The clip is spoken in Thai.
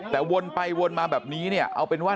แต่วนไปวนมาแบบนี้เนี่ยเอาเป็นว่า